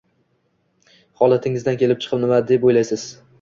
Holatingizdan kelib chiqib, nima deb oʻylaysiz?